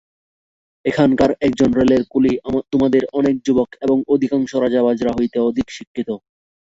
এখানকার একজন রেলের কুলি তোমাদের অনেক যুবক এবং অধিকাংশ রাজা-রাজড়া হইতে অধিক শিক্ষিত।